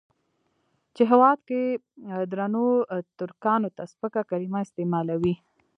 چې هېواد کې درنو ترکانو ته سپکه کليمه استعمالوي.